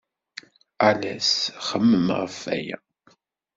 Ales xemmem ɣef waya.